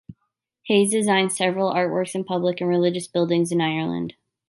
Hayes designed several artworks in public and religious buildings in Ireland.